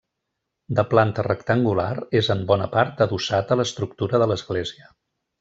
De planta rectangular, és en bona part adossat a l'estructura de l'església.